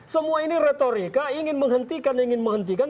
semua ini retorika ingin menghentikan ingin menghentikan